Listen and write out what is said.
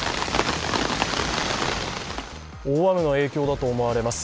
大雨の影響だと思われます。